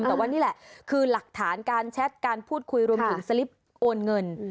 แต่ว่านี่แหละคือหลักฐานการแชทการพูดคุยรวมถึงสลิปโอนเงิน